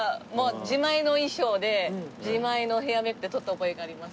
自前の衣装で自前のヘアメイクで撮った覚えがあります。